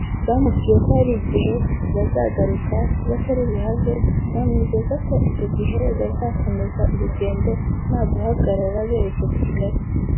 Bamubwiye ko Hari igihe bazagaruka batari buhave bamwizeza ko icyo gihe bazakomeza urugendo ntaguhagarara berekeza Kigali